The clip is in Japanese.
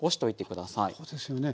そうですよね。